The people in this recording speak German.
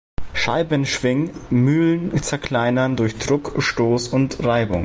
Scheiben-Schwingmühlen zerkleinern durch Druck, Stoß und Reibung.